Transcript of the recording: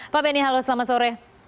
pak benny halo selamat sore